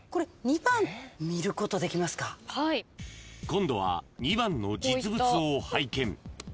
［今度は２番の実物を拝見］